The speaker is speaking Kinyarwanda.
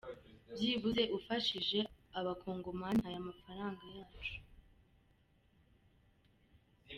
Byibuze ufashishe abakongomani ayo mafaranga yacu.